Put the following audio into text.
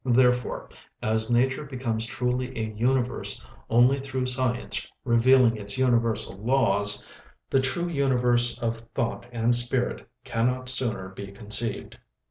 Therefore, as nature becomes truly a universe only through science revealing its universal laws, the true universe of thought and spirit cannot sooner be conceived."